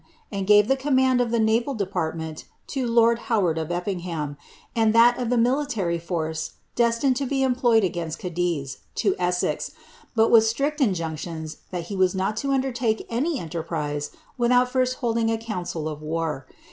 and gave the command of the naval department to lord Howard of Effingham, and thai of the mditary force destined to be employed aKainrt Cadiz, to Essex, but with strict injunctions that he was not to undertake any enterprise without Urst holding a councd of war.